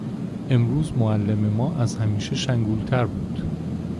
امروز معلم ما از همیشه شنگول تر بود.